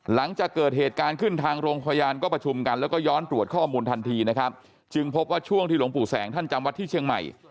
หลังจากเกิดเหตุการณ์ขึ้นทางโรงพยาบาลก็ประชุมกันแล้วก็ย้อนตรวจข้อมูลทันทีนะครับจึงพบว่าช่วงที่หลวงปู่แสงท่านจำวัดที่เชียงใหม่